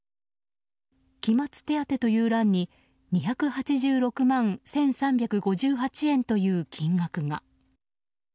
期末手当という欄に２８６万１３５８円という金額が。